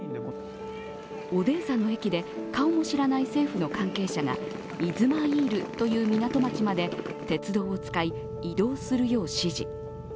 オデーサの駅で顔も知らない政府の関係者がイズマイールという港町まで鉄道を使い、移動するよう指示。